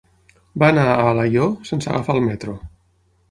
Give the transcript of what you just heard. Va anar a Alaior sense agafar el metro.